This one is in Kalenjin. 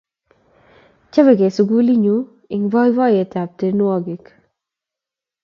chobegei sukulinyu eng poipoiyet ab tienwogik